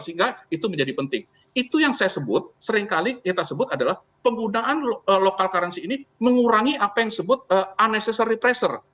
sehingga itu menjadi penting itu yang saya sebut seringkali kita sebut adalah penggunaan local currency ini mengurangi apa yang disebut unecessary pressure